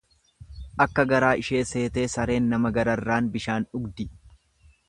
Akka garaa ishee seetee sareen nama gararraan bishaan dhuugdi.